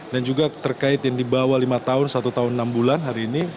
dan juga terkait yang dibawa lima tahun satu tahun enam bulan hari ini